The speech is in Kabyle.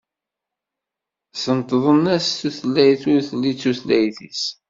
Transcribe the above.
Sentḍen-as tutlayt ur telli d tutlayt-is.